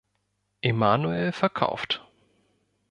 Emanuel verkauft.